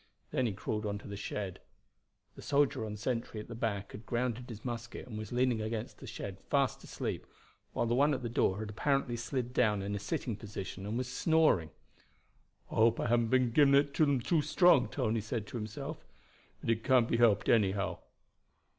Then he crawled on to the shed. The soldier on sentry at the back had grounded his musket and was leaning against the shed fast asleep, while the one at the door had apparently slid down in a sitting position and was snoring. "I hope I haben't given it to dem too strong," Tony said to himself; "but it can't be helped anyhow."